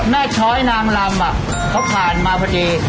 แม่ช้อยนามลำอะเขาผ่านมาพอดี